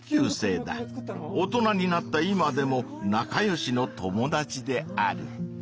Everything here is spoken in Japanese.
大人になった今でも仲良しの友だちである。